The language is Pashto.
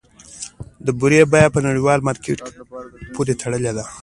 د بورې بیه په نړیوال مارکیټ پورې تړلې ده؟